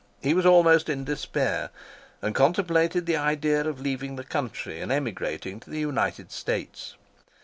He was almost in despair, and contemplated the idea of leaving the country, and emigrating to the United States.